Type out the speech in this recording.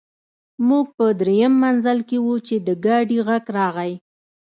موږ په درېیم منزل کې وو چې د ګاډي غږ راغی